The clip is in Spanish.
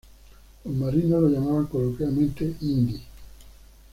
Los marinos lo llamaban coloquialmente "Indy".